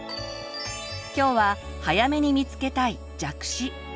今日は早めに見つけたい「弱視」。